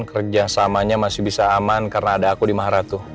kerjasamanya masih bisa aman karena ada aku di maharatu